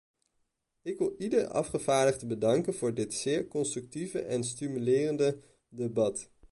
Ik wil ieder afgevaardigde bedanken voor dit zeer constructieve en stimulerende debat.